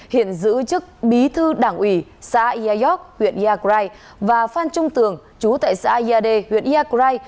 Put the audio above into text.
hiện giữ chức bí thư đảng ủy xã yà yóc huyện yà grai và phan trung tường chú tại xã yà đê huyện yà grai